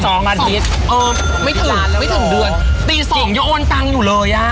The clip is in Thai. สองสองเออไม่ถึงไม่ถึงเดือนตีสองยังโอนตังอยู่เลยอ่ะ